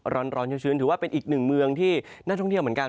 ร้อนชื้นถือว่าเป็นอีกหนึ่งเมืองที่น่าท่องเที่ยวเหมือนกัน